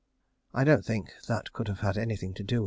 I don't think that could have had anything to do with it.